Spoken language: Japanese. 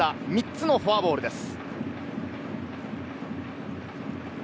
３つのフォアボールです。